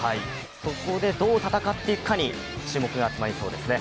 そこでどう戦っていくかに注目が集まってきそうですね。